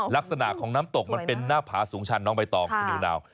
ลักษณะของน้ำตกมันเป็นหน้าผาสูงชันน้องใบตองคุณนิวนาว